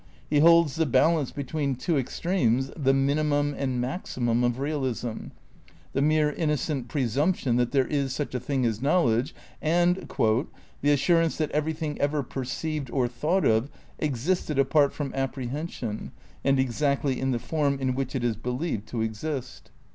He holds the bal ance between two extremes, the "minimum" and "maximum" of realism, the mere innocent "presump tion that there is such a thing as knowledge" and "the assurance that everything ever perceived or thought of existed apart from apprehension and exactly in the form in which it is believed to exist."